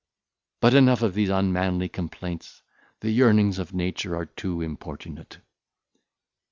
But, enough of these unmanly complaints; the yearnings of nature are too importunate.